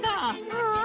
うん。